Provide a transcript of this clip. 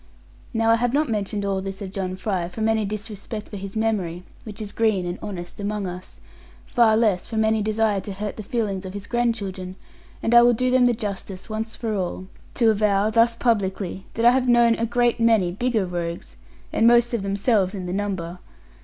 Now I have not mentioned all this of John Fry, from any disrespect for his memory (which is green and honest amongst us), far less from any desire to hurt the feelings of his grandchildren; and I will do them the justice, once for all, to avow, thus publicly, that I have known a great many bigger rogues, and most of themselves in the number.